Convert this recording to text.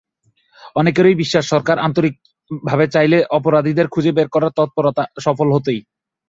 অনেকেরই বিশ্বাস, সরকার আন্তরিকভাবে চাইলে অপরাধীদের খুঁজে বের করার তৎপরতা সফল হতোই।